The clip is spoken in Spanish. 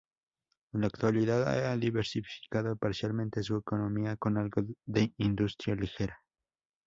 En la actualidad ha diversificado parcialmente su economía con algo de industria ligera.